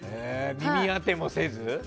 耳当てもせず？